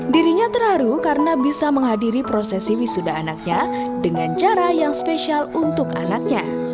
dirinya terharu karena bisa menghadiri prosesi wisuda anaknya dengan cara yang spesial untuk anaknya